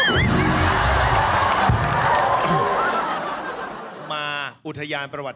ที่จะเป็นความสุขของชาวบ้าน